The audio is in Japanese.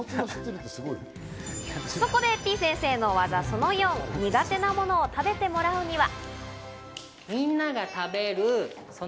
そこで、てぃ先生の技、その４、苦手なものを食べてもらうには。